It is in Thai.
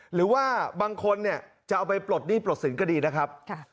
หรือว่าบางคนเนี่ยจะเอาไปปลดหนี้ปลดสินก็ดีนะครับ